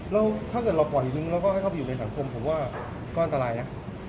แล้วถ้าเกิดเราปล่อยทิ้งแล้วก็ให้เข้าไปอยู่ในสังคมผมว่าก็อันตรายนะ